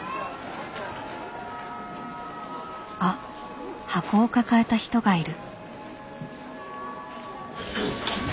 あっ箱を抱えた人がいる。